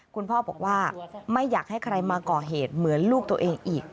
คุณพ่อบอกว่าไม่อยากให้ใครมาก่อเหตุเหมือนลูกตัวเองอีก